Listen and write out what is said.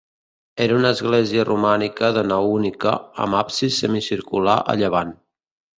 Era una església romànica de nau única, amb absis semicircular a llevant.